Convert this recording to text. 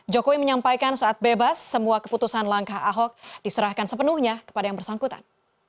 jokowi menyampaikan saat bebas semua keputusan langkah ahok diserahkan sepenuhnya kepada yang bersangkutan